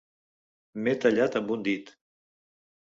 M'he tallat amb un dit.